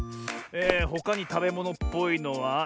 ほかにたべものっぽいのはえと。